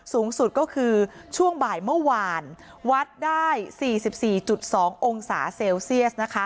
สูงสุดก็คือช่วงบ่ายเมื่อวานวัดได้๔๔๒องศาเซลเซียสนะคะ